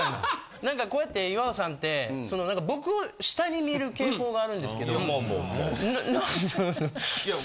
なんかこうやって岩尾さんってそのなんか僕を下に見る傾向があるんですけども。